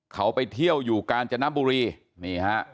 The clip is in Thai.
เขาไปเที่ยวอยู่กาญจนบุรี